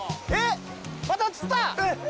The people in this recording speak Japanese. また釣った！